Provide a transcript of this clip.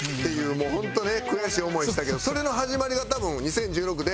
もうホントね悔しい思いをしたけどそれの始まりが多分２０１６で。